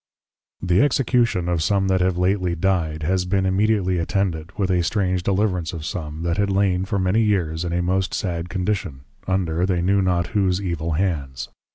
_ The Execution of some that have lately Dyed, has been immediately attended, with a strange Deliverance of some, that had lain for many years, in a most sad Condition, under, they knew not whose evil hands.